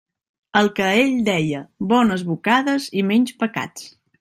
El que ell deia: «bones bocades i menys pecats».